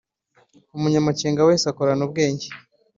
umunyamakenga wese akorana ubwenge